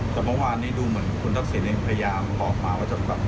สัมพันธ์วันนี้ดูเหมือนคุณทักษิณภรรยาบอกมาว่าจะ